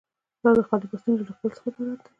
دا د خالي بستونو له ډکولو څخه عبارت دی.